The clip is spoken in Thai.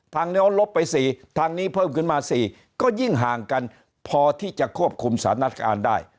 แนวลบไป๔ทางนี้เพิ่มขึ้นมา๔ก็ยิ่งห่างกันพอที่จะควบคุมสถานการณ์ได้